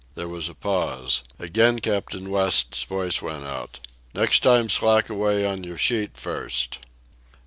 There was a pause. Again Captain West's voice went out. "Next time slack away on your sheet first."